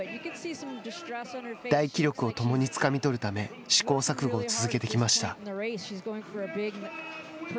大記録を共につかみ取るため、試行錯誤を続けてきました。